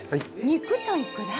肉といくら？